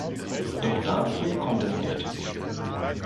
Doch dazu kommt es nicht.